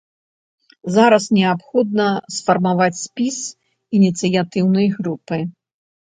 Зараз неабходна сфармаваць спіс ініцыятыўнай групы.